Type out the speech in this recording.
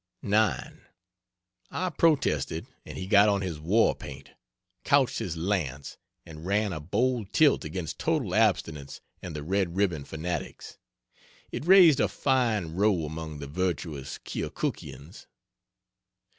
9. I protested, and he got on his warpaint, couched his lance, and ran a bold tilt against total abstinence and the Red Ribbon fanatics. It raised a fine row among the virtuous Keokukians.